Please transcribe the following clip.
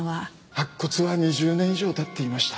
白骨は２０年以上経っていました。